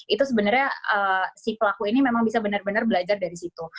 itu sebenarnya si pelaku ini memang bisa benar benar belajar dari situ